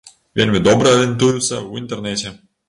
Вельмі добра арыентуюцца ў інтэрнэце.